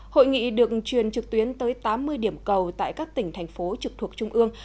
hội nghị được truyền trực tuyến tới tám mươi điểm cầu tại các tỉnh thành phố trực thuộc trung ương